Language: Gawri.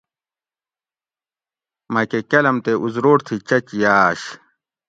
مہۤ کہۤ کاۤلم تے اُزروٹ تھی چچ یاۤش